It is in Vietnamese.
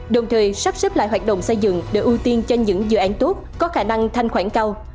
đồng thời sắp xếp lại hoạt động xây dựng để ưu tiên cho những dự án tốt có khả năng thanh khoản cao